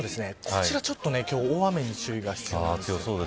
こちら今日大雨に注意が必要です。